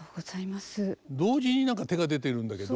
同時に何か手が出てるんだけど。